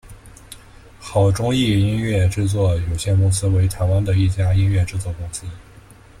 好钟意音乐制作有限公司为台湾的一家音乐制作公司。